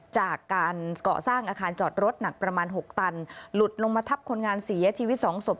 จากการก่อสร้างอาคารจอดรถหนักประมาณ๖ตันหลุดลงมาทับคนงานเสียชีวิต๒ศพ